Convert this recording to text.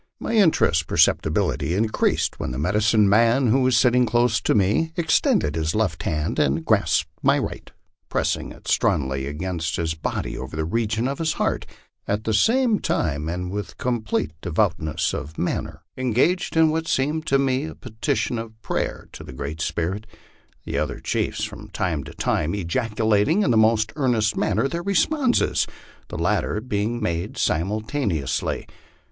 My in terest perceptibly increased when the medicine man, who was sitting close to me, extended his left hand and grasped my right, pressing it strongly against his body over the region of his heart, at the same time, and with complete de voutness of manner, engaging in what seemed to me a petition or prayer to the Great Spirit; the other chiefs from time to time ejaculating, in the most ear nest manner, their responses, the latter being made simultaneously.